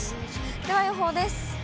では予報です。